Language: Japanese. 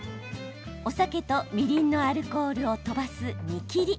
お酒とみりんのアルコールをとばす煮切り。